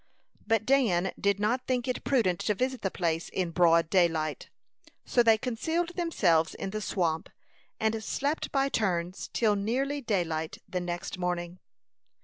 But Dan did not think it prudent to visit the place in broad daylight; so they concealed themselves in the swamp, and slept by turns till nearly daylight the next morning.